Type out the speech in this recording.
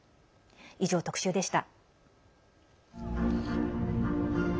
以上、特集でした。